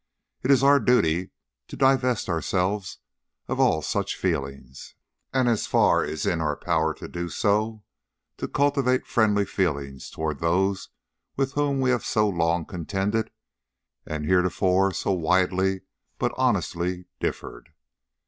It is our duty to divest ourselves of all such feelings; and, as far as in our power to do so, to cultivate friendly feelings toward those with whom we have so long contended, and heretofore so widely, but honestly, differed....